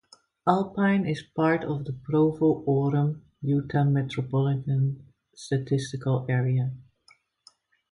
Alpine is part of the Provo-Orem, Utah Metropolitan Statistical Area.